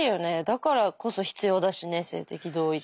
だからこそ必要だしね性的同意って。